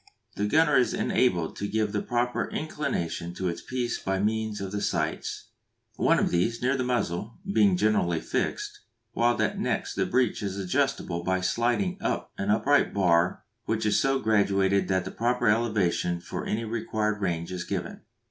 The gunner is enabled to give the proper inclination to his piece by means of the sights; one of these, near the muzzle, being generally fixed, while that next the breech is adjustable by sliding up an upright bar which is so graduated that the proper elevation for any required range is given.